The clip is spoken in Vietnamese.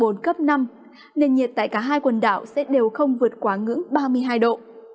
nền nhiệt tại cả hai quần đảo sẽ đều không vượt quá ngưỡng ba mươi hai độ